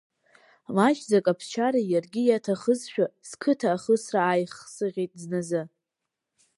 Маҷӡак аԥсшьара иаргьы иаҭахызшәа, сқыҭа ахысра ааихсыӷьит зназы.